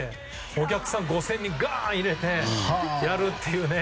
お客さん５０００人をがーんって入れてやるっていうね。